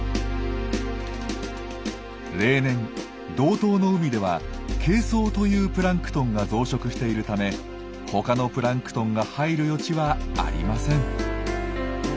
例年道東の海では「珪藻」というプランクトンが増殖しているため他のプランクトンが入る余地はありません。